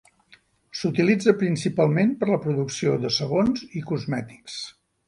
S'utilitza principalment per a la producció de sabons i cosmètics.